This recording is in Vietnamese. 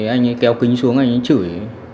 anh ấy kéo kính xuống anh ấy chửi